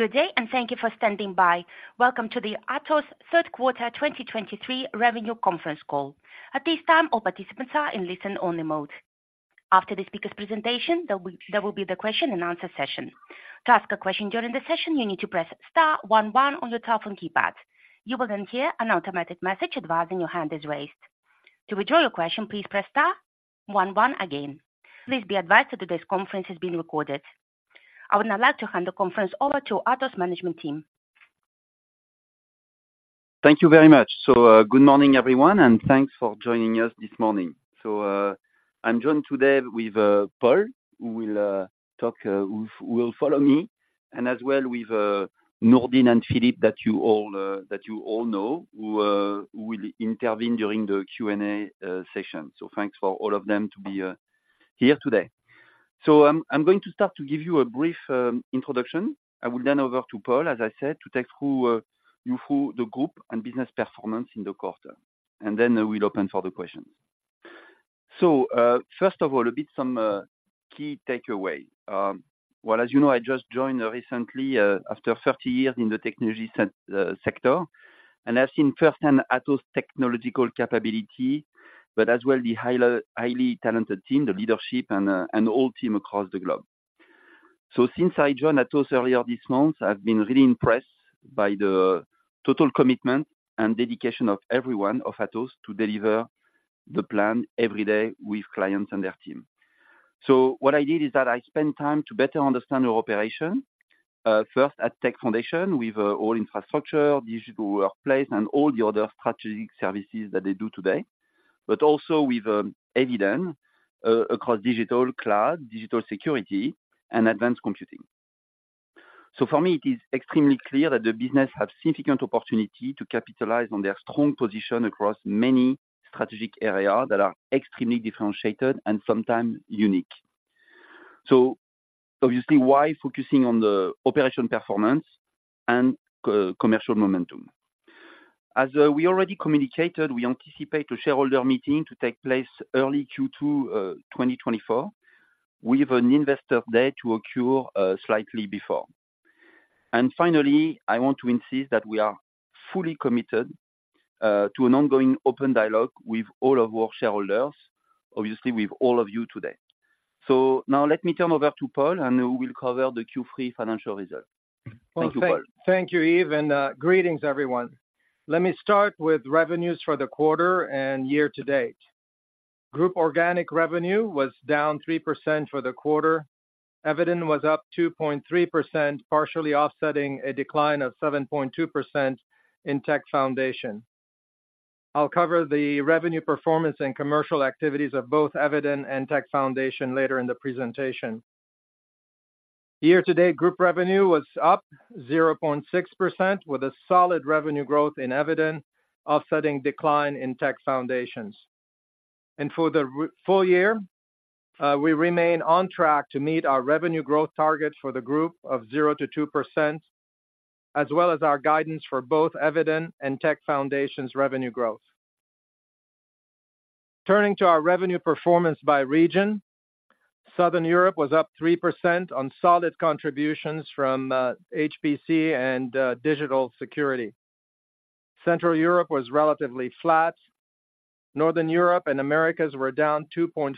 Good day, and thank you for standing by. Welcome to the Atos Q3 2023 revenue conference call. At this time, all participants are in listen-only mode. After the speaker's presentation, there will be the question and answer session. To ask a question during the session, you need to press star one one on your telephone keypad. You will then hear an automatic message advising your hand is raised. To withdraw your question, please press star one one again. Please be advised that today's conference is being recorded. I would now like to hand the conference over to Atos management team. Thank you very much. So, good morning, everyone, and thanks for joining us this morning. So, I'm joined today with Paul, who will follow me, and as well with Nourdine and Philippe, that you all know, who will intervene during the Q&A session. So thanks for all of them to be here today. So, I'm going to start to give you a brief introduction. I will hand over to Paul, as I said, to take you through the group and business performance in the quarter, and then we'll open for the questions. So, first of all, some key takeaways. Well, as you know, I just joined recently after 30 years in the technology sector, and I've seen first-hand Atos technological capability, but as well, the highly talented team, the leadership and all team across the globe. So since I joined Atos earlier this month, I've been really impressed by the total commitment and dedication of everyone of Atos to deliver the plan every day with clients and their team. So what I did is that I spent time to better understand their operation. First, at Tech Foundations, with all infrastructure, digital workplace, and all the other strategic services that they do today, but also with Eviden, across digital, cloud, digital security, and advanced computing. So for me, it is extremely clear that the business have significant opportunity to capitalize on their strong position across many strategic areas that are extremely differentiated and sometimes unique. So obviously, why focusing on the operational performance and commercial momentum? As we already communicated, we anticipate a shareholder meeting to take place early Q2 2024, with an investor day to occur slightly before. And finally, I want to insist that we are fully committed to an ongoing open dialogue with all of our shareholders, obviously with all of you today. So now let me turn over to Paul, and who will cover the Q3 financial results. Thank you, Paul. Well, thank you, Yves, and greetings, everyone. Let me start with revenues for the quarter and year to date. Group organic revenue was down 3% for the quarter. Eviden was up 2.3%, partially offsetting a decline of 7.2% in Tech Foundations. I'll cover the revenue performance and commercial activities of both Eviden and Tech Foundations later in the presentation. Year to date, group revenue was up 0.6%, with a solid revenue growth in Eviden offsetting decline in Tech Foundations. For the full year, we remain on track to meet our revenue growth target for the group of 0%-2%, as well as our guidance for both Eviden and Tech Foundations' revenue growth. Turning to our revenue performance by region, Southern Europe was up 3% on solid contributions from HPC and digital security. Central Europe was relatively flat. Northern Europe and Americas were down 2.5%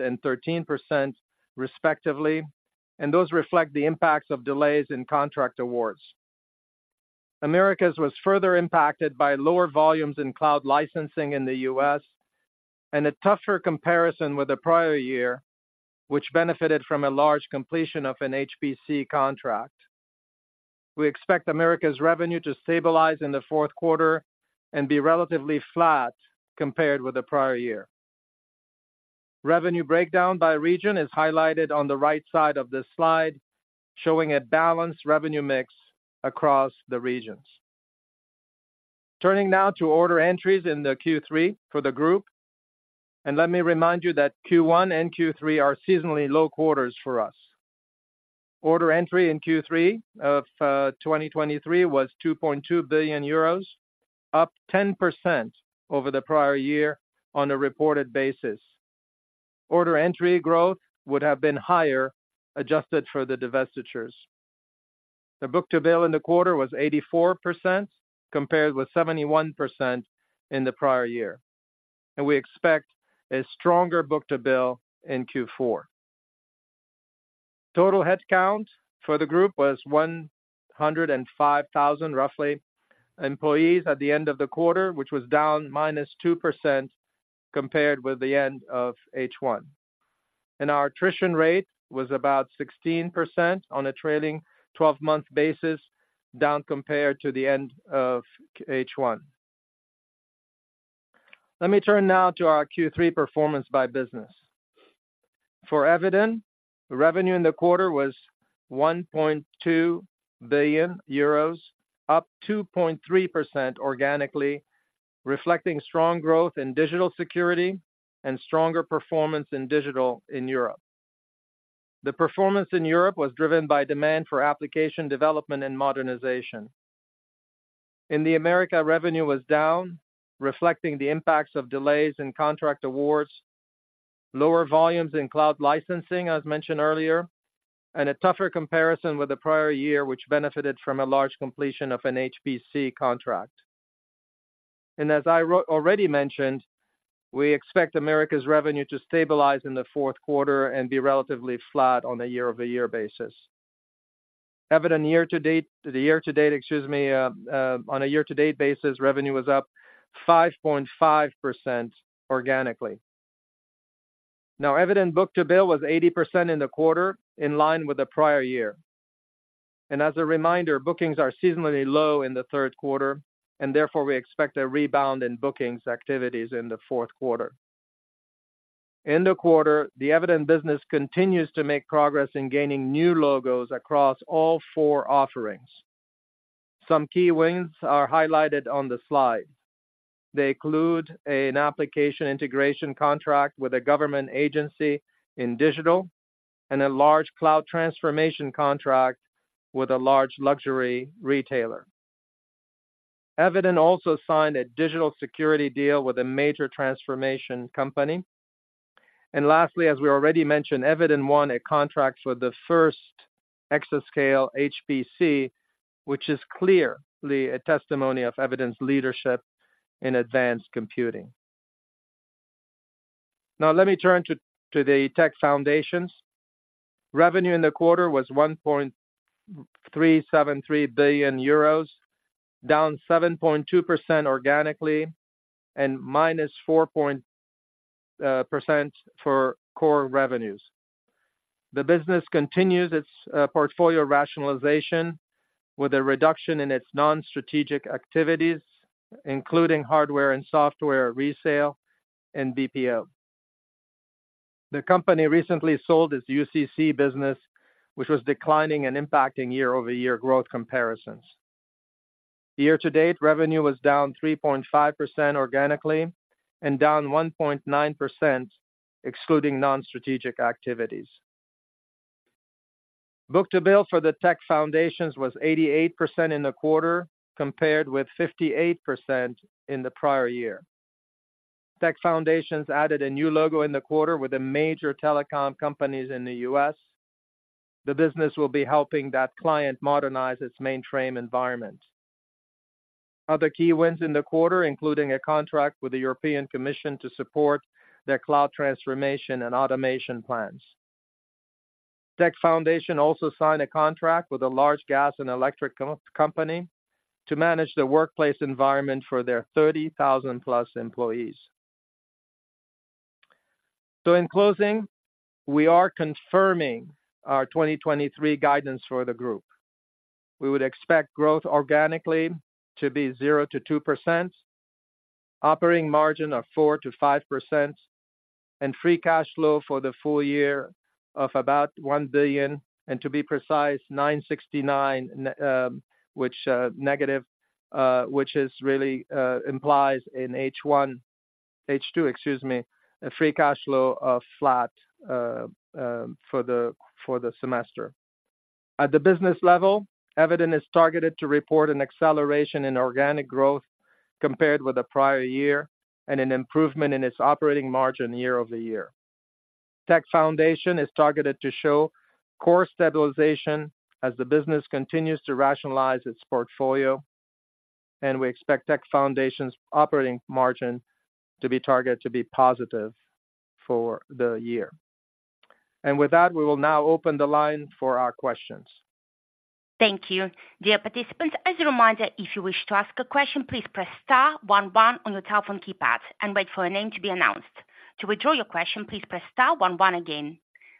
and 13%, respectively, and those reflect the impacts of delays in contract awards. Americas was further impacted by lower volumes in cloud licensing in the U.S. and a tougher comparison with the prior year, which benefited from a large completion of an HPC contract. We expect America's revenue to stabilize in the Q4 and be relatively flat compared with the prior year. Revenue breakdown by region is highlighted on the right side of this slide, showing a balanced revenue mix across the regions. Turning now to order entries in the Q3 for the group, and let me remind you that Q1 and Q3 are seasonally low quarters for us. Order entry in Q3 of 2023 was 2.2 billion euros, up 10% over the prior year on a reported basis. Order entry growth would have been higher, adjusted for the divestitures. The book-to-bill in the quarter was 84%, compared with 71% in the prior year, and we expect a stronger book-to-bill in Q4. Total headcount for the group was 105,000, roughly, employees at the end of the quarter, which was down minus 2% compared with the end of H1. Our attrition rate was about 16% on a trailing twelve-month basis, down compared to the end of H1. Let me turn now to our Q3 performance by business. For Eviden, the revenue in the quarter was 1.2 billion euros, up 2.3% organically, reflecting strong growth in digital security and stronger performance in digital in Europe. The performance in Europe was driven by demand for application development and modernization. In the Americas, revenue was down, reflecting the impacts of delays in contract awards, lower volumes in cloud licensing, as mentioned earlier, and a tougher comparison with the prior year, which benefited from a large completion of an HPC contract. And as I already mentioned, we expect America's revenue to stabilize in the Q4 and be relatively flat on a year-over-year basis. Eviden year-to-date, excuse me, on a year-to-date basis, revenue was up 5.5% organically. Now, Eviden book-to-bill was 80% in the quarter, in line with the prior year. As a reminder, bookings are seasonally low in the Q3, and therefore we expect a rebound in bookings activities in the Q4. In the quarter, the Eviden business continues to make progress in gaining new logos across all four offerings. Some key wins are highlighted on the slide. They include an application integration contract with a government agency in digital, and a large cloud transformation contract with a large luxury retailer. Eviden also signed a digital security deal with a major transformation company. And lastly, as we already mentioned, Eviden won a contract with the first exascale HPC, which is clearly a testimony of Eviden's leadership in advanced computing. Now, let me turn to the Tech Foundations. Revenue in the quarter was 1.373 billion euros, down 7.2% organically, and minus 4% for core revenues. The business continues its portfolio rationalization with a reduction in its non-strategic activities, including hardware and software resale and BPO. The company recently sold its UCC business, which was declining and impacting year-over-year growth comparisons. Year to date, revenue was down 3.5% organically and down 1.9%, excluding non-strategic activities. Book-to-bill for Tech Foundations was 88% in the quarter, compared with 58% in the prior year. Tech Foundations added a new logo in the quarter with the major telecom companies in the U.S. The business will be helping that client modernize its mainframe environment. Other key wins in the quarter, including a contract with the European Commission to support their cloud transformation and automation plans. Tech Foundations also signed a contract with a large gas and electric company to manage the workplace environment for their 30,000+ employees. So in closing, we are confirming our 2023 guidance for the group. We would expect growth organically to be 0%-2%, operating margin of 4%-5%, and free cash flow for the full year of about 1 billion, and to be precise, -969 million, which, negative, which is really, implies in H1, H2, excuse me, a free cash flow of flat, for the semester. At the business level, Eviden is targeted to report an acceleration in organic growth compared with the prior year, and an improvement in its operating margin year-over-year. Tech Foundations is targeted to show core stabilization as the business continues to rationalize its portfolio, and we expect Tech Foundations' operating margin to be targeted to be positive for the year. With that, we will now open the line for our questions. Thank you. Dear participants, as a reminder, if you wish to ask a question, please press star one one on your telephone keypad and wait for your name to be announced. To withdraw your question, please press star one one again.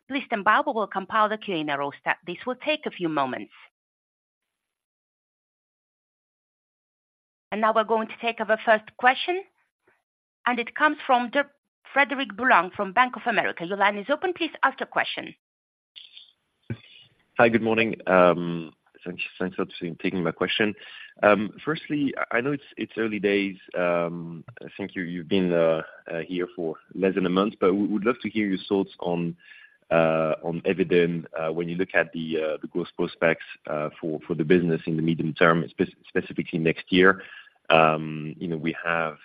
Please stand by, we will compile the Q&A roster. This will take a few moments. And now we're going to take our first question, and it comes from Frederic Boulan from Bank of America. Your line is open. Please ask your question. Hi, good morning. Thanks for taking my question. Firstly, I know it's early days. I think you've been here for less than a month, but we would love to hear your thoughts on Eviden, when you look at the growth prospects for the business in the medium term, specifically next year. You know, we have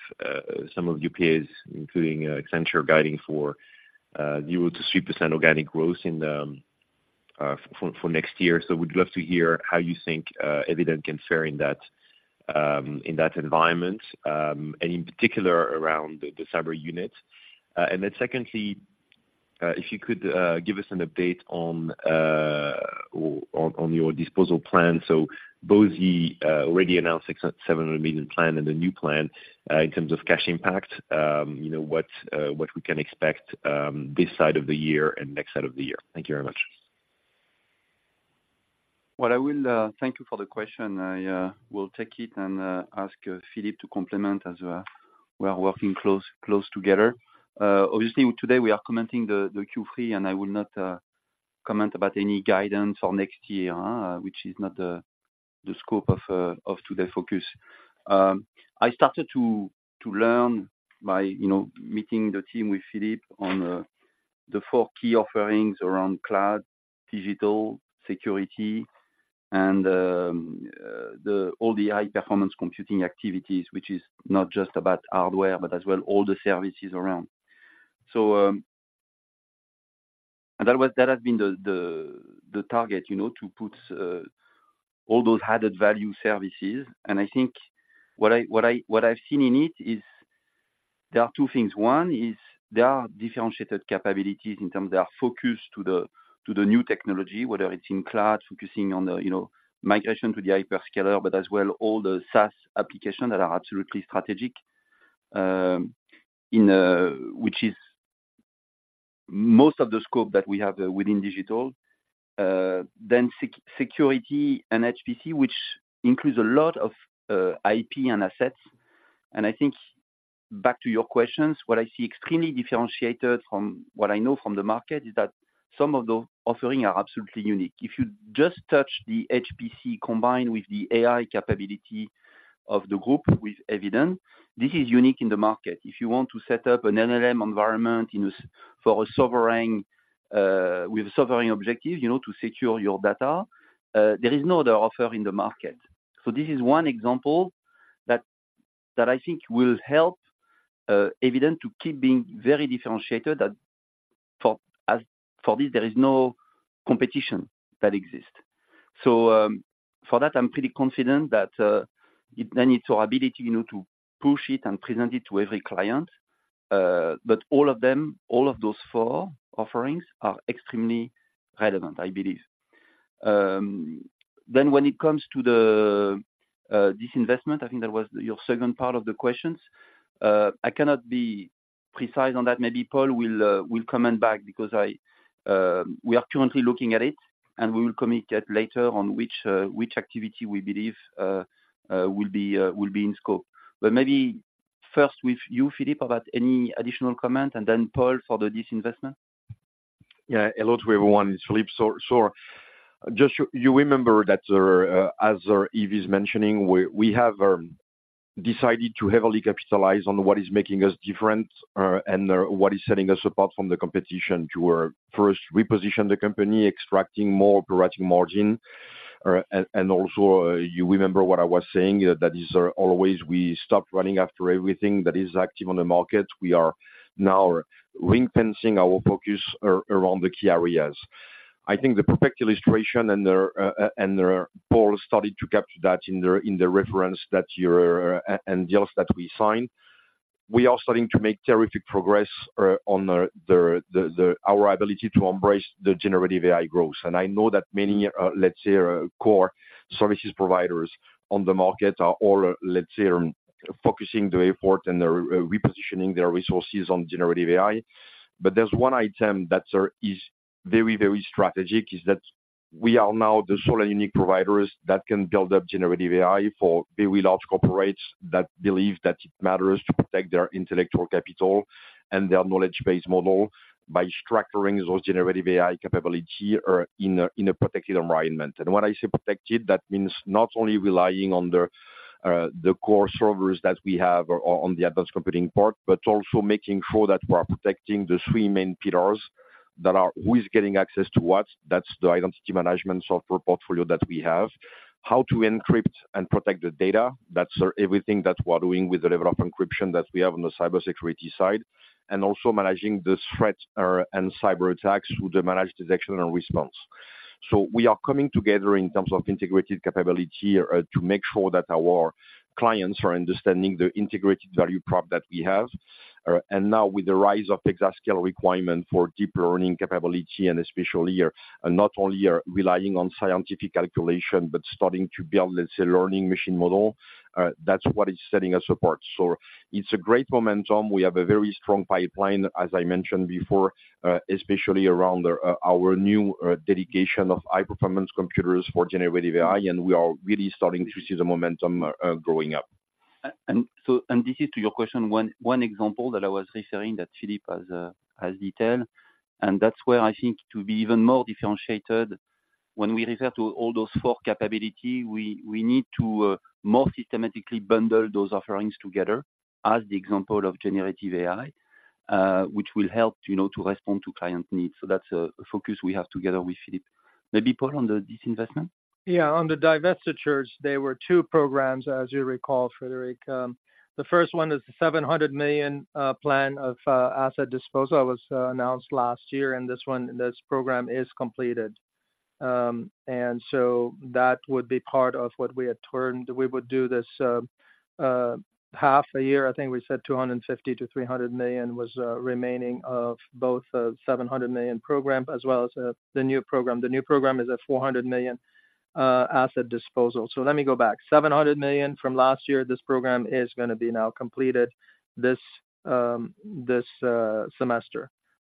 some of your peers, including Accenture, guiding for 0%-3% organic growth for next year. So we'd love to hear how you think Eviden can fare in that environment, and in particular around the cyber unit. And then secondly, if you could give us an update on your disposal plan. So both the already announced 600-700 million plan and the new plan, in terms of cash impact, you know, what we can expect, this side of the year and next side of the year. Thank you very much. Well, I will thank you for the question. I will take it and ask Philippe to complement as we are working close, close together. Obviously, today we are commenting the Q3, and I will not comment about any guidance for next year, which is not the scope of today's focus. I started to learn by, you know, meeting the team with Philippe on the four key offerings around cloud, digital, security, and all the high-performance computing activities, which is not just about hardware, but as well, all the services around. So, that has been the target, you know, to put all those added value services. And I think what I've seen in it is there are two things. One is there are differentiated capabilities in terms of their focus to the new technology, whether it's in cloud, focusing on the, you know, migration to the hyperscaler, but as well, all the SaaS applications that are absolutely strategic, in which is most of the scope that we have within digital. Then security and HPC, which includes a lot of IP and assets. I think back to your questions, what I see extremely differentiated from what I know from the market, is that some of the offerings are absolutely unique. If you just touch the HPC, combined with the AI capability of the group with Eviden, this is unique in the market. If you want to set up an LLM environment in a for a sovereign, with a sovereign objective, you know, to secure your data, there is no other offer in the market. So this is one example that I think will help Eviden to keep being very differentiated, that for this, there is no competition that exists. So, for that, I'm pretty confident that then it's our ability, you know, to push it and present it to every client. But all of them, all of those four offerings are extremely relevant, I believe. Then when it comes to the disinvestment, I think that was your second part of the questions. I cannot be precise on that. Maybe Paul will comment back because we are currently looking at it, and we will communicate later on which activity we believe will be in scope. But maybe first with you, Philippe, about any additional comment, and then Paul, for the disinvestment. Yeah. Hello to everyone, it's Philippe. So just you remember that, as Yves is mentioning, we have decided to heavily capitalize on what is making us different, and what is setting us apart from the competition. To first reposition the company, extracting more operating margin. And also, you remember what I was saying, that is always we stopped running after everything that is active on the market. We are now ring-fencing our focus around the key areas. I think the perfect illustration, and Paul started to capture that in the reference that you're and deals that we signed. We are starting to make terrific progress on our ability to embrace the Generative AI growth. And I know that many, let's say, core services providers on the market are all, let's say, focusing their effort and re-positioning their resources on generative AI. But there's one item that are, is very, very strategic, is that we are now the sole unique providers that can build up generative AI for very large corporates that believe that it matters to protect their intellectual capital and their knowledge base model by structuring those generative AI capability, in a protected environment. And when I say protected, that means not only relying on the core servers that we have on the advanced computing part, but also making sure that we are protecting the three main pillars that are: who is getting access to what, that's the identity management software portfolio that we have. How to encrypt and protect the data, that's everything that we're doing with the level of encryption that we have on the cybersecurity side, and also managing the threats and cyberattacks through the managed detection and response. So we are coming together in terms of integrated capability to make sure that our clients are understanding the integrated value prop that we have. And now with the rise of exascale requirement for deeper learning capability, and especially not only are relying on scientific calculation, but starting to build, let's say, learning machine model, that's what is setting us apart. So it's a great momentum. We have a very strong pipeline, as I mentioned before, especially around our our new dedication of high-performance computers for generative AI, and we are really starting to see the momentum going up. This is to your question, one example that I was referring, that Philippe has detailed, and that's where I think to be even more differentiated. When we refer to all those four capability, we need to more systematically bundle those offerings together as the example of Generative AI, which will help, you know, to respond to client needs. So that's a focus we have together with Philippe. Maybe, Paul, on the disinvestment. Yeah, on the divestitures, there were two programs, as you recall, Frederic. The first one is the 700 million plan of asset disposal that was announced last year, and this one, this program is completed. And so that would be part of what we had termed, we would do this half a year. I think we said 250 million-300 million was remaining of both the 700 million program as well as the new program. The new program is a 400 million asset disposal. So let me go back. 700 million from last year, this program is gonna be now completed this semester.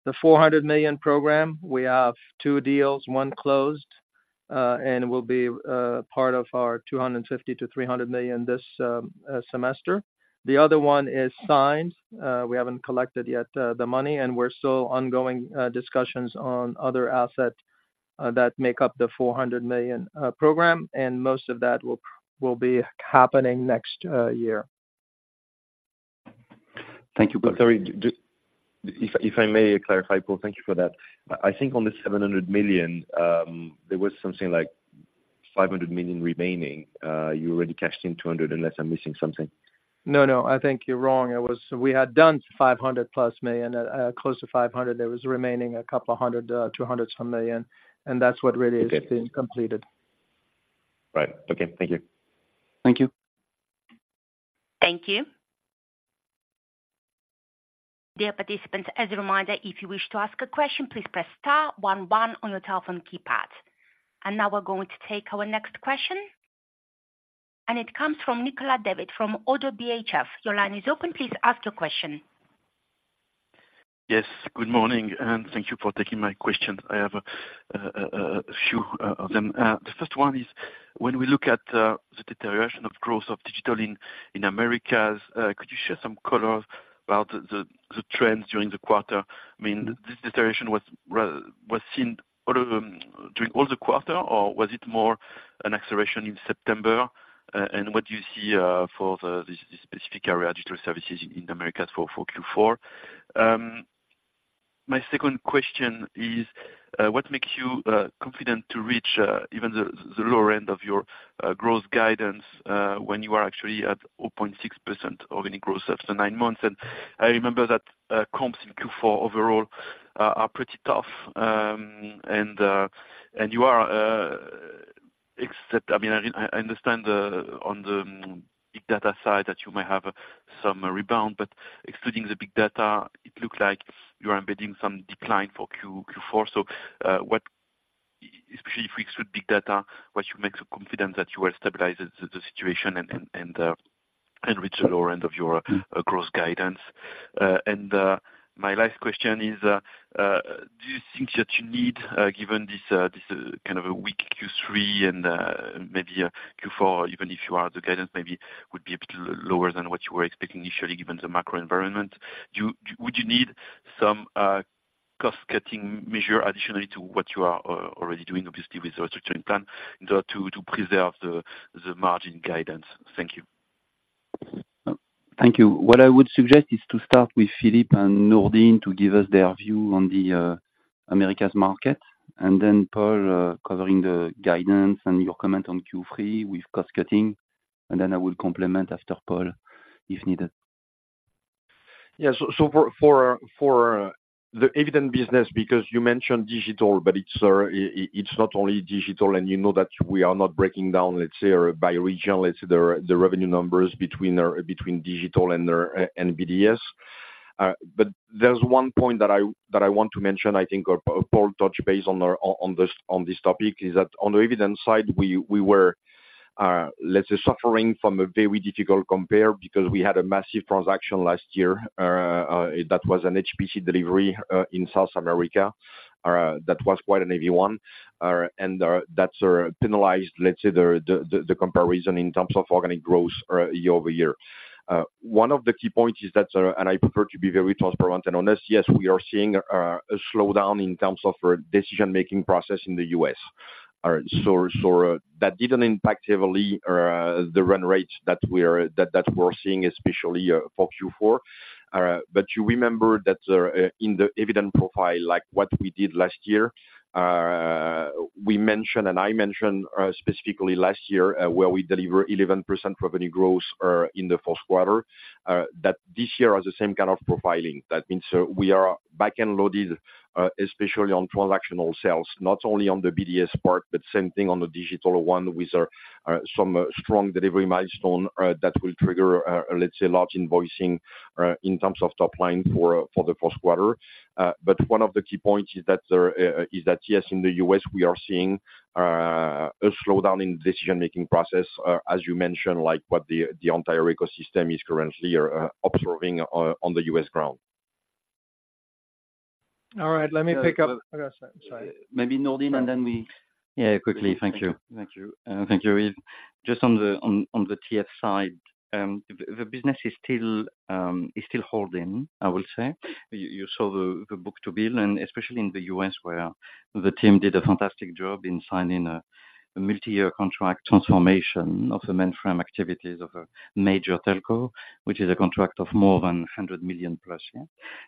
The 400 million program, we have two deals, one closed, and will be part of our 250 million to 300 million this semester. The other one is signed, we haven't collected yet the money, and we're still ongoing discussions on other assets that make up the 400 million program, and most of that will be happening next year. Thank you, Paul. Sorry, if I may clarify, Paul, thank you for that. I think on the 700 million, there was something like 500 million remaining. You already cashed in 200 million, unless I'm missing something. No, no, I think you're wrong. It was. We had done 500+ million, close to 500. There was remaining a couple of hundred, 200 million, and that's what really is. Okay. Being completed. Right. Okay, thank you. Thank you. Thank you. Dear participants, as a reminder, if you wish to ask a question, please press star one one on your telephone keypad. Now we're going to take our next question, and it comes from Nicolas David, from ODDO BHF. Your line is open. Please ask your question. Yes, good morning, and thank you for taking my question. I have a few of them. The first one is, when we look at the deterioration of growth of digital in Americas, could you share some color about the trends during the quarter? I mean, this deterioration was seen throughout the quarter, or was it more an acceleration in September? And what do you see for this specific area, digital services in Americas for Q4? My second question is, what makes you confident to reach even the lower end of your growth guidance, when you are actually at 0.6% organic growth after nine months? And I remember that comps in Q4 overall are pretty tough. I mean, I understand on the big data side that you may have some rebound, but excluding the big data, it looked like you are embedding some decline for Q4. So, what, especially if we exclude big data, makes you so confident that you will stabilize the situation and reach the lower end of your growth guidance? My last question is, do you think that you need, given this kind of a weak Q3 and maybe a Q4, even if you are, the guidance maybe would be a bit lower than what you were expecting initially, given the macro environment, would you need some cost-cutting measure additionally to what you are already doing, obviously, with the restructuring plan, in order to preserve the margin guidance? Thank you. Thank you. What I would suggest is to start with Philippe and Nourdine to give us their view on the Americas market, and then Paul, covering the guidance and your comment on Q3 with cost cutting. And then I will complement after Paul, if needed. Yeah. So for the Eviden business, because you mentioned digital, but it's not only digital, and you know that we are not breaking down, let's say, or by region, let's say, the revenue numbers between digital and BDS. But there's one point that I want to mention. I think Paul touched base on this topic, is that on the Eviden side, we were, let's say, suffering from a very difficult compare because we had a massive transaction last year that was an HPC delivery in South America that was quite a big one. And that's penalized, let's say, the comparison in terms of organic growth year-over-year. One of the key points is that, and I prefer to be very transparent and honest, yes, we are seeing a slowdown in terms of decision-making process in the U.S. So that didn't impact heavily the run rates that we're seeing especially for Q4. But you remember that in the Eviden profile, like what we did last year, we mentioned, and I mentioned specifically last year where we deliver 11% revenue growth in the Q1 that this year has the same kind of profiling. That means, we are back-end loaded, especially on transactional sales, not only on the BDS part, but same thing on the digital one, with some strong delivery milestone, that will trigger, let's say, large invoicing, in terms of top line for the Q1. But one of the key points is that, is that, yes, in the U.S., we are seeing a slowdown in decision-making process, as you mentioned, like what the entire ecosystem is currently observing, on the U.S. ground. All right, let me pick up. I'm sorry. Maybe Nourdine, and then we. Yeah, quickly. Thank you. Thank you. Thank you, Yves. Just on the TF side, the business is still holding, I will say. You saw the book-to-bill, and especially in the US, where the team did a fantastic job in signing a multi-year contract transformation of the mainframe activities of a major telco, which is a contract of more than 100 million plus, yeah?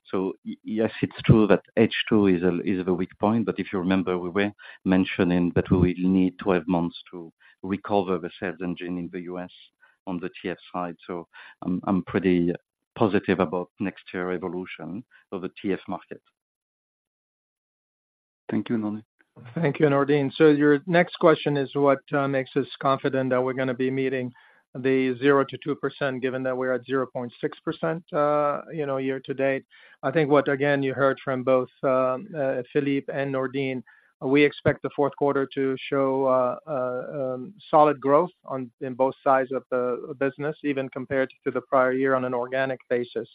So yes, it's true that H2 is a weak point, but if you remember, we were mentioning that we will need 12 months to recover the sales engine in the US on the TF side. So I'm pretty positive about next year evolution of the TF market. Thank you, Nourdine. Thank you, Nourdine. So your next question is what makes us confident that we're gonna be meeting the 0%-2%, given that we're at 0.6%, you know, year-to-date? I think what, again, you heard from both Philippe and Nourdine, we expect the Q4 to show solid growth in both sides of the business, even compared to the prior year on an organic basis.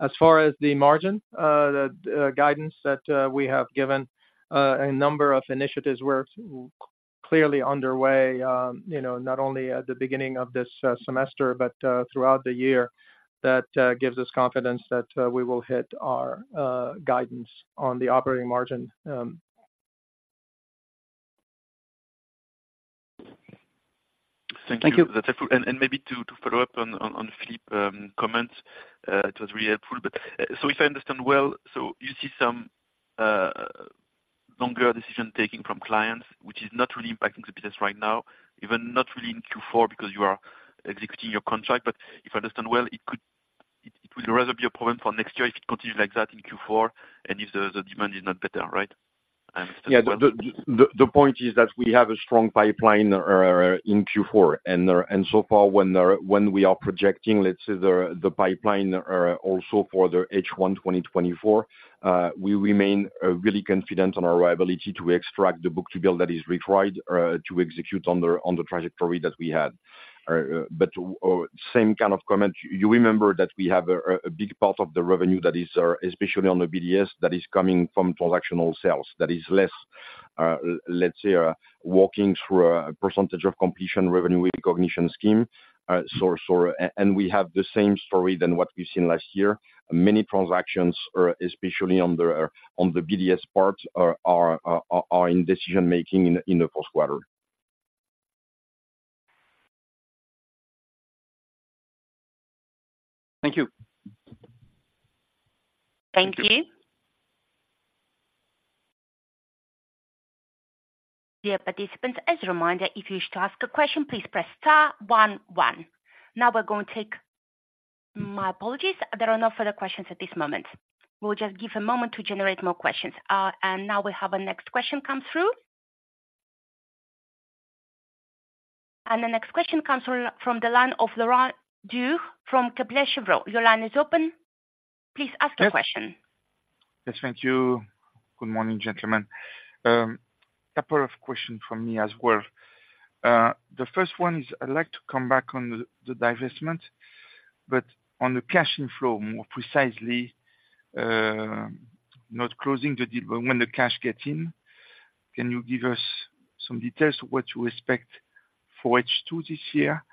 As far as the margin, the guidance that we have given, a number of initiatives were clearly underway, you know, not only at the beginning of this semester, but throughout the year. That gives us confidence that we will hit our guidance on the operating margin. Thank you. And maybe to follow up on Philippe's comment, it was really helpful. But so if I understand well, so you see some longer decision taking from clients, which is not really impacting the business right now, even not really in Q4, because you are executing your contract. But if I understand well, it could- it will rather be a problem for next year if it continues like that in Q4 and if the demand is not better, right? I understand well. Yeah. The point is that we have a strong pipeline in Q4. And so far when we are projecting, let's say, the pipeline also for the H1, 2024, we remain really confident on our ability to extract the book-to-bill that is required to execute on the trajectory that we had. But same kind of comment, you remember that we have a big part of the revenue that is especially on the BDS that is coming from transactional sales that is less, let's say, walking through a percentage of completion revenue recognition scheme. So, and we have the same story than what we've seen last year. Many transactions are especially on the BDS part, are in decision making in the Q4. Thank you. Thank you. Dear participants, as a reminder, if you wish to ask a question, please press star one, one. Now we're going to take, my apologies. There are no further questions at this moment. We'll just give a moment to generate more questions. And now we have a next question come through. And the next question comes from, from the line of Laurent Daure from Kepler Cheuvreux. Your line is open. Please ask your question. Yes, thank you. Good morning, gentlemen. A couple of questions from me as well. The first one is I'd like to come back on the, the divestment, but on the cash inflow, more precisely, not closing the deal, but when the cash gets in, can you give us some details of what you expect for H2 this year,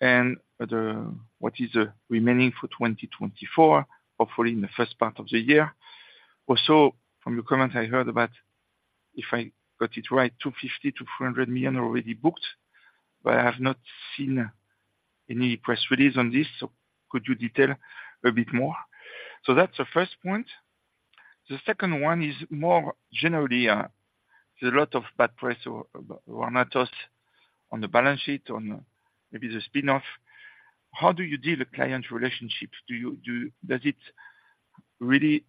and the, what is the remaining for 2024, hopefully in the first part of the year? Also, from your comment, I heard about, if I got it right, 250 to 400 million already booked, but I have not seen any press release on this. So could you detail a bit more? So that's the first point. The second one is more generally, there's a lot of bad press or, about Atos on the balance sheet, on maybe the spin-off. How do you deal with client relationships? Does it really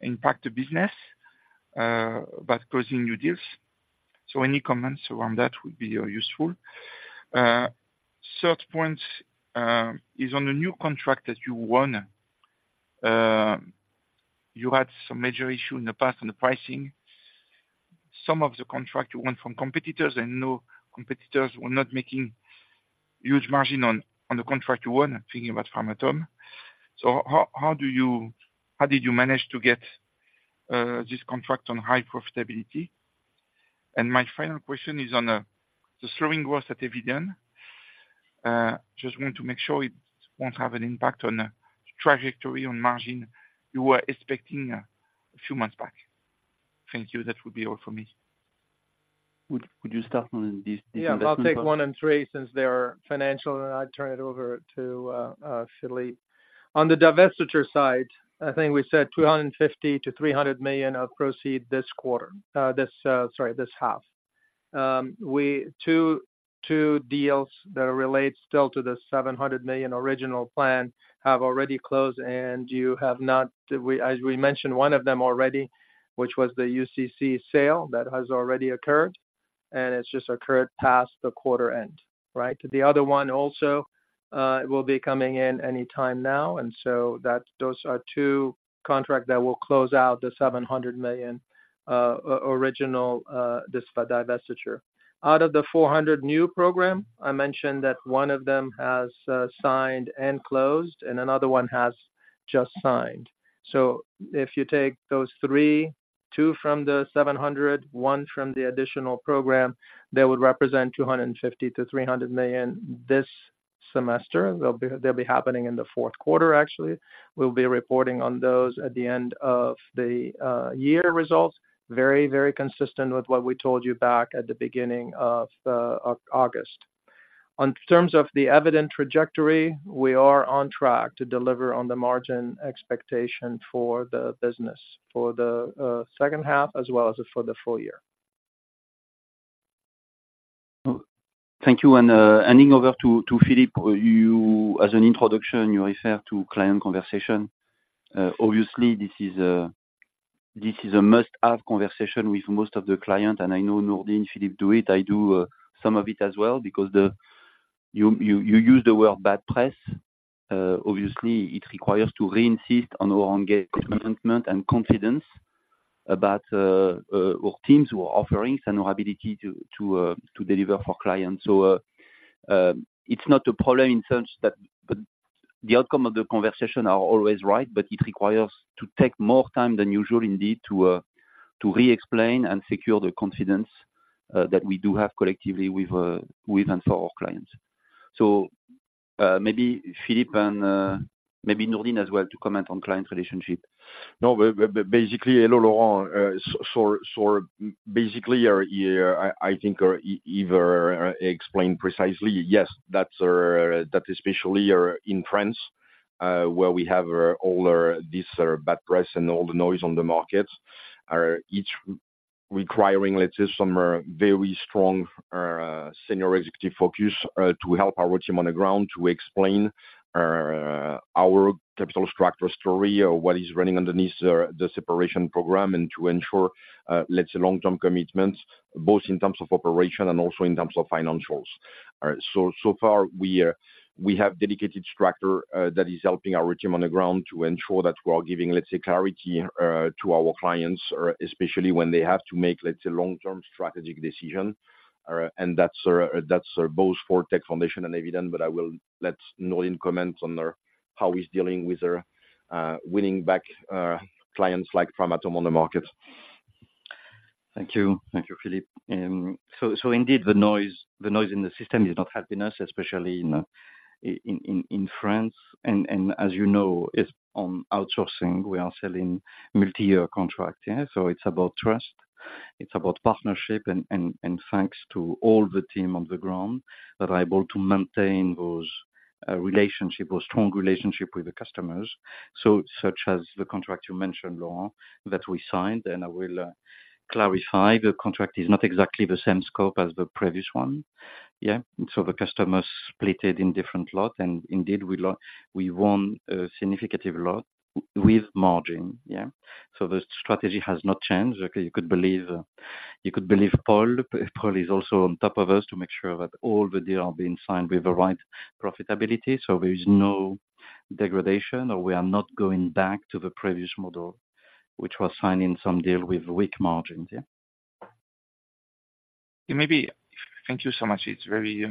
impact the business about closing new deals? So any comments around that would be useful. Third point is on the new contract that you won. You had some major issue in the past on the pricing. Some of the contract you won from competitors, and no competitors were not making huge margin on the contract you won. I'm thinking about Framatome. So how did you manage to get this contract on high profitability? And my final question is on the slowing growth at Eviden. Just want to make sure it won't have an impact on the trajectory on margin you were expecting a few months back. Thank you. That would be all for me. Would you start on these investments? Yeah, I'll take one and three, since they are financial, and I'll turn it over to Philippe. On the divestiture side, I think we said 250 million to 300 million of proceeds this quarter, sorry, this half. We two deals that relate still to the 700 million original plan have already closed, and you have not, we, as we mentioned one of them already, which was the UCC sale that has already occurred, and it's just occurred past the quarter end, right? The other one also will be coming in any time now, and so that, those are two contracts that will close out the 700 million original this divestiture. Out of the 400 million new program, I mentioned that one of them has signed and closed, and another one has just signed. So if you take those three, 2 from the 700, 1 from the additional program, that would represent 250 to 300 million this semester. They'll be, they'll be happening in the Q4, actually. We'll be reporting on those at the end of the year results. Very, very consistent with what we told you back at the beginning of August. In terms of the Eviden trajectory, we are on track to deliver on the margin expectation for the business, for the H2, as well as for the full year. Thank you, and handing over to Philippe, you, as an introduction, you refer to client conversation. Obviously this is a must-have conversation with most of the client, and I know Nourdine, Philippe do it. I do some of it as well, because the, you use the word bad press. Obviously, it requires to re-insist on our engagement and confidence about our teams, our offerings, and our ability to deliver for clients. So, it's not a problem in terms that the outcome of the conversation are always right, but it requires to take more time than usual indeed, to re-explain and secure the confidence that we do have collectively with and for our clients. So maybe Philippe and maybe Nourdine as well to comment on client relationship. No, but basically, hello, Laurent. So, basically, yeah, I think or Yves explained precisely, yes, that's that especially in France, where we have all this bad press and all the noise on the markets, are each requiring, let's say, some very strong senior executive focus to help our team on the ground to explain our capital structure story, or what is running underneath the separation program, and to ensure, let's say, long-term commitments, both in terms of operation and also in terms of financials. So far we have dedicated structure that is helping our team on the ground to ensure that we are giving, let's say, clarity to our clients, or especially when they have to make, let's say, long-term strategic decision. And that's both for Tech Foundations and Eviden. But I will let Nourdine comment on how he's dealing with winning back clients like Framatome on the market. Thank you. Thank you, Philippe. So indeed, the noise in the system is not helping us, especially in France. And as you know, it's on outsourcing, we are selling multi-year contract. Yeah, so it's about trust, it's about partnership, and thanks to all the team on the ground that are able to maintain those relationship, those strong relationship with the customers. So such as the contract you mentioned, Laurent, that we signed, and I will clarify, the contract is not exactly the same scope as the previous one. Yeah, so the customer split it in different lot, and indeed, we won a significant lot with margin, yeah. So the strategy has not changed. Okay, you could believe Paul. Paul is also on top of us to make sure that all the deals are being signed with the right profitability, so there is no degradation, or we are not going back to the previous model, which was signing some deals with weak margins, yeah. And maybe thank you so much. It's very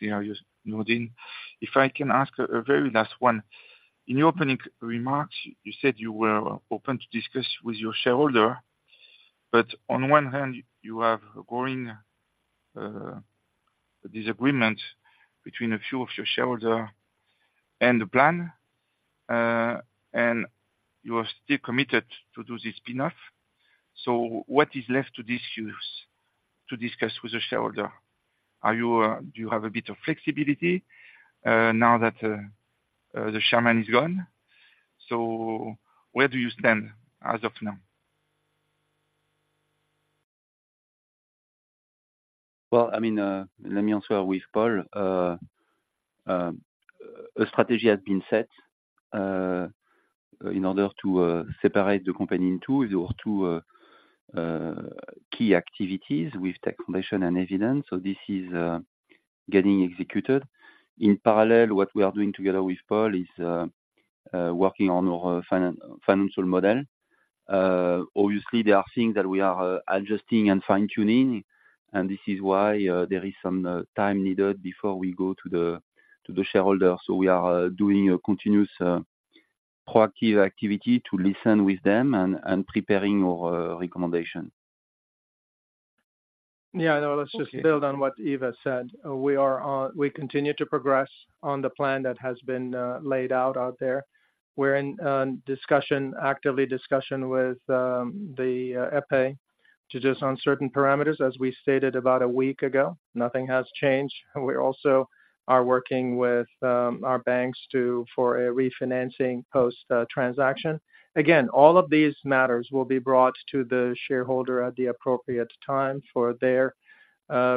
clear, Nourdine. If I can ask a very last one: In your opening remarks, you said you were open to discuss with your shareholder, but on one hand, you have a growing disagreement between a few of your shareholder and the plan, and you are still committed to do this spin-off. So what is left to discuss, to discuss with the shareholder? Are you do you have a bit of flexibility, now that the chairman is gone? So where do you stand as of now? Well, I mean, let me answer with Paul. A strategy has been set in order to separate the company in two. There were two key activities with Tech Foundations and Eviden, so this is getting executed. In parallel, what we are doing together with Paul is working on our financial model. Obviously, there are things that we are adjusting and fine-tuning, and this is why there is some time needed before we go to the shareholder. So we are doing a continuous proactive activity to listen with them and preparing our recommendation. Yeah, no, let's just build on what Yves said. We continue to progress on the plan that has been laid out there. We're in active discussion with the EPEI on certain parameters, as we stated about a week ago, nothing has changed. We also are working with our banks for a refinancing post-transaction. Again, all of these matters will be brought to the shareholder at the appropriate time for their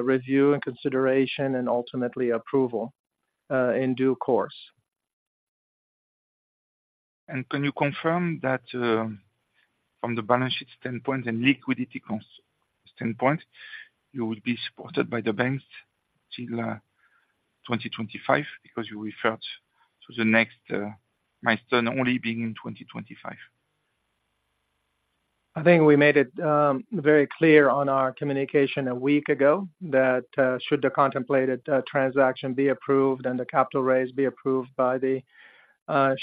review and consideration and ultimately approval in due course. Can you confirm that, from the balance sheet standpoint and liquidity standpoint, you will be supported by the banks till 2025? Because you referred to the next milestone only being in 2025. I think we made it very clear on our communication a week ago that should the contemplated transaction be approved and the capital raise be approved by the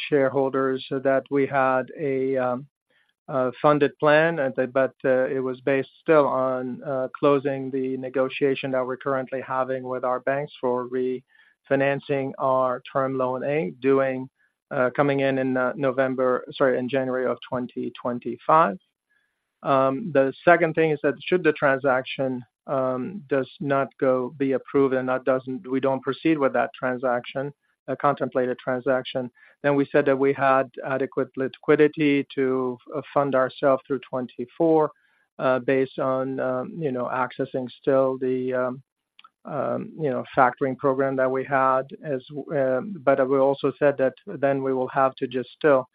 shareholders, that we had a funded plan. But it was based still on closing the negotiation that we're currently having with our banks for refinancing our Term Loan A coming in January 2025. The second thing is that should the transaction does not go be approved and that doesn't we don't proceed with that transaction, a contemplated transaction, then we said that we had adequate liquidity to fund ourselves through 2024 based on you know accessing still the you know factoring program that we had as. But we also said that then we will have to just still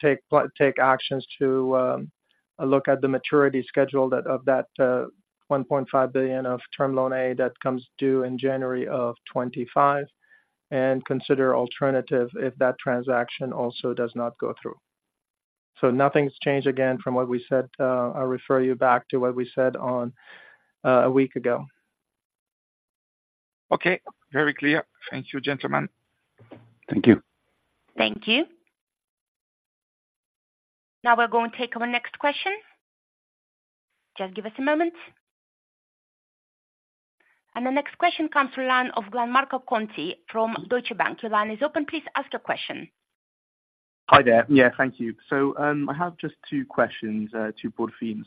take actions to look at the maturity schedule that of that 1.5 billion of Term Loan A that comes due in January 2025, and consider alternative if that transaction also does not go through. So nothing's changed again from what we said. I'll refer you back to what we said on a week ago. Okay. Very clear. Thank you, gentlemen. Thank you. Thank you. Now we're going to take our next question. Just give us a moment. The next question comes from line of Gianmarco Conti from Deutsche Bank. Your line is open. Please ask your question. Hi there. Yeah, thank you. So, I have just two questions, two broad themes.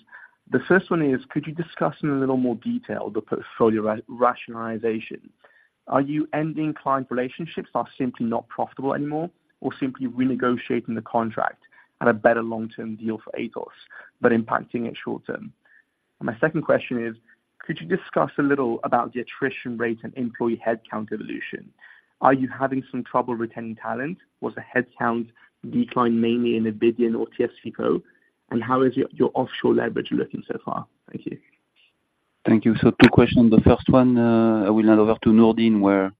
The first one is, could you discuss in a little more detail the portfolio rationalization? Are you ending client relationships that are simply not profitable anymore, or simply renegotiating the contract at a better long-term deal for Atos, but impacting it short term? My second question is, could you discuss a little about the attrition rate and employee headcount evolution? Are you having some trouble retaining talent? Was the headcount decline mainly in Eviden or CSCO? And how is your offshore leverage looking so far? Thank you. Thank you. So two questions. The first one, I will hand over to Nourdine, where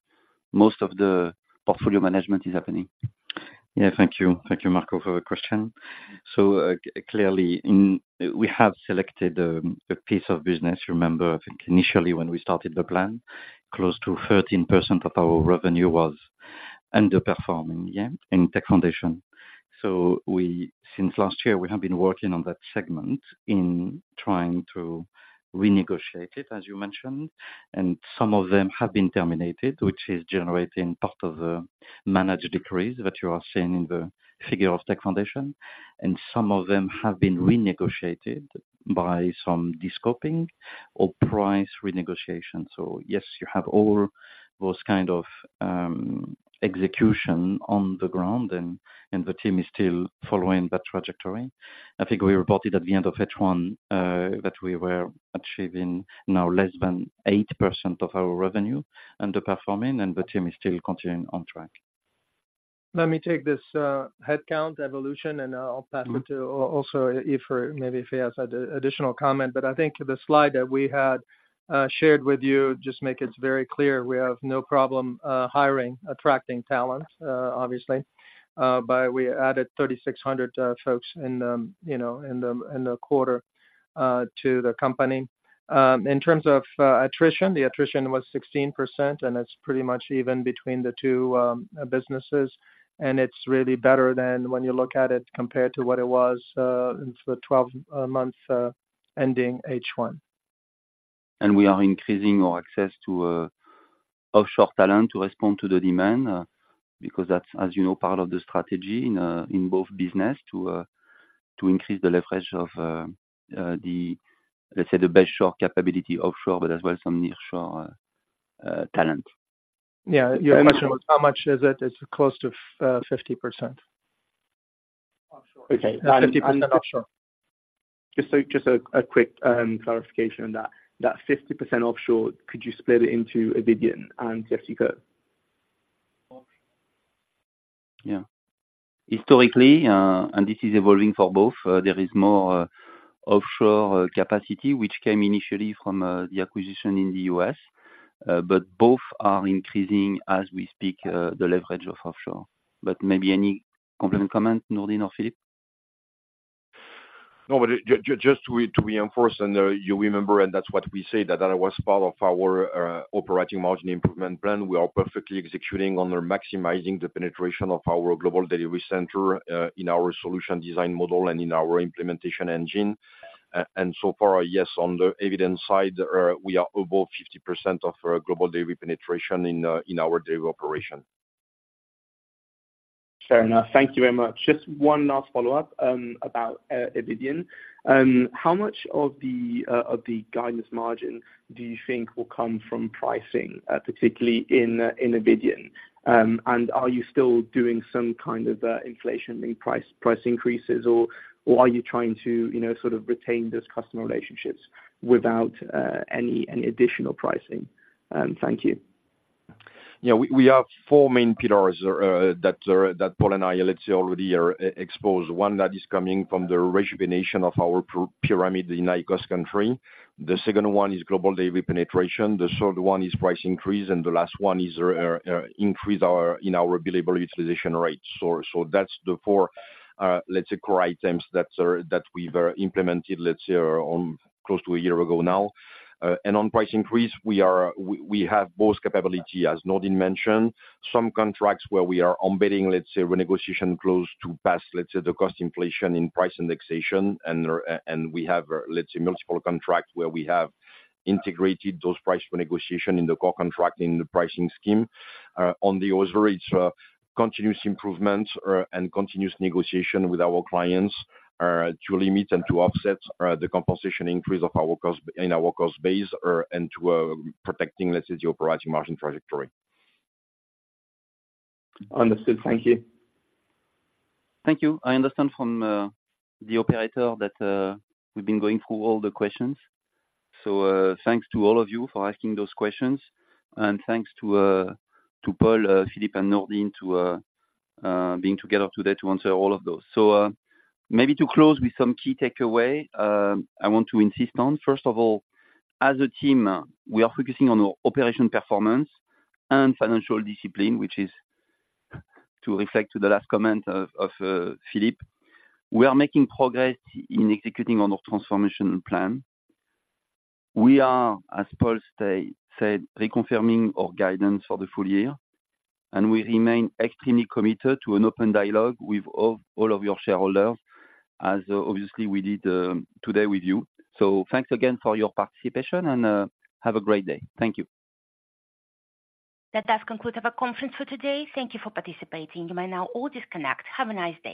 most of the portfolio management is happening. Yeah, thank you. Thank you, Marco, for the question. So, clearly, we have selected a piece of business. You remember, I think initially when we started the plan, close to 13% of our revenue was underperforming, yeah, in Tech Foundations. So since last year, we have been working on that segment in trying to renegotiate it, as you mentioned, and some of them have been terminated, which is generating part of the managed decrease that you are seeing in the figure of Tech Foundations, and some of them have been renegotiated by some descoping or price renegotiation. So yes, you have all those kind of execution on the ground, and the team is still following that trajectory. I think we reported at the end of H1 that we were achieving now less than 8% of our revenue, underperforming, and the team is still continuing on track. Let me take this headcount evolution, and I'll pass it to also if, maybe if he has additional comment. But I think the slide that we had shared with you just make it very clear, we have no problem hiring, attracting talent, obviously. But we added 3,600 folks in, you know, in the quarter to the company. In terms of attrition, the attrition was 16%, and it's pretty much even between the two businesses. And it's really better than when you look at it compared to what it was into the 12 months ending H1. We are increasing our access to offshore talent to respond to the demand, because that's, as you know, part of the strategy in both business to increase the leverage of the, let's say, the best shore capability offshore, but as well, some nearshore talent. Yeah, how much is it? It's close to 50%. Okay 50% Offshore. Just a quick clarification on that. That 50% offshore, could you split it into Eviden and CSCO? Yeah. Historically, and this is evolving for both, there is more offshore capacity, which came initially from the acquisition in the U.S. But both are increasing as we speak, the leverage of offshore. But maybe any complementary comment, Nourdine or Philippe? No, but just to reinforce, and, you remember, and that's what we said, that that was part of our operating margin improvement plan. We are perfectly executing on the maximizing the penetration of our global delivery center in our solution design model and in our implementation engine. And so far, yes, on the Eviden side, we are above 50% of global delivery penetration in our delivery operation. Fair enough. Thank you very much. Just one last follow-up about Eviden. How much of the guidance margin do you think will come from pricing, particularly in Eviden? And are you still doing some kind of inflation, maybe price increases or are you trying to, you know, sort of retain those customer relationships without any additional pricing? Thank you. Yeah, we have four main pillars that Paul and I let's say already are exposed. One that is coming from the rejuvenation of our pyramid in low-cost country. The second one is global delivery penetration, the third one is price increase, and the last one is increase in our billable utilization rates. So that's the four let's say core items that we've implemented, let's say, close to a year ago now. And on price increase, we are. We have both capability, as Nourdine mentioned, some contracts where we are embedding, let's say, renegotiation clause to pass, let's say, the cost inflation in price indexation. And we have, let's say, multiple contracts where we have integrated those price negotiation in the core contract, in the pricing scheme. On the other, it's continuous improvements and continuous negotiation with our clients to limit and to offset the compensation increase of our cost in our cost base and to protecting, let's say, the operating margin trajectory. Understood. Thank you. Thank you. I understand from the operator that we've been going through all the questions. So, thanks to all of you for asking those questions. And thanks to Paul, Philippe, and Nourdine for being together today to answer all of those. So, maybe to close with some key takeaway, I want to insist on, first of all, as a team, we are focusing on operation performance and financial discipline, which is to reflect to the last comment of Philippe. We are making progress in executing on our transformation plan. We are, as Paul said, reconfirming our guidance for the full year, and we remain extremely committed to an open dialogue with all of your shareholders, as obviously we did today with you. So thanks again for your participation, and have a great day. Thank you. That does conclude our conference for today. Thank you for participating. You may now all disconnect. Have a nice day.